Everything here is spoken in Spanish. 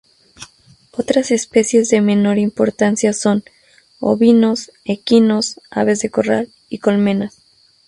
Otras especies de menor importancia son: ovinos, equinos, aves de corral y colmenas.